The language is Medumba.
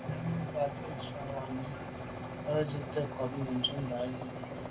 Náná à’sə̌’ mbu’ŋwà’nǐ á lǒ’ nzi’tə ncob Mə̀dʉ̂mbὰ yi lα.